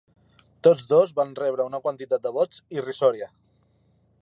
Tots dos van rebre una quantitat de vots irrisòria.